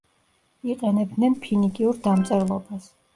იყენებდნენ ფინიკიურ დამწერლობას.